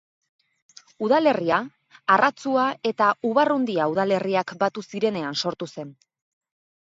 Udalerria Arratzua eta Ubarrundia udalerriak batu zirenean sortu zen.